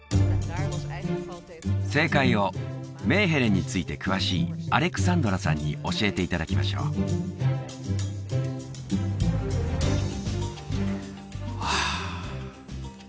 正解をメーヘレンについて詳しいアレクサンドラさんに教えていただきましょううわ